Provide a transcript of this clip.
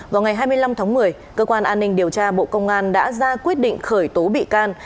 vào ngày hai mươi năm tháng một mươi cơ quan an ninh điều tra bộ công an đã ra quyết định khởi tố bị can